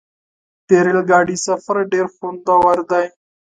د ریل ګاډي سفر ډېر خوندور دی.